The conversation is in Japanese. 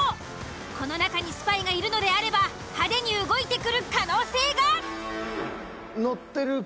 この中にスパイがいるのであれば派手に動いてくる可能性が。